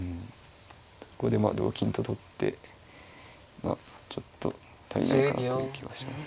ここでまあ同金と取ってまあちょっと足りないかなという気はします。